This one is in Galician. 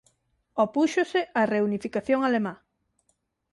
Opúxose á reunificación alemá.